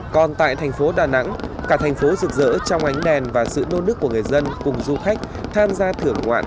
còn tại thành phố đà nẵng cả thành phố rực rỡ trong ánh đèn và sự nô nước của người dân cùng du khách tham gia thưởng ngoạn